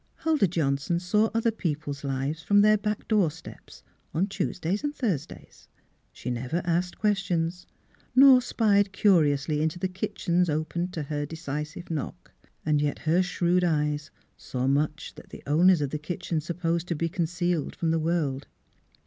Huldah Johnson saw other people's lives from their back door steps, on Tues days and Thursdays. She never asked questions nor spied curiously into the kitchens opened to her decisive knock, and yet her shrewd eyes saw much that the owners of the kitchens supposed to be con cealed from the world.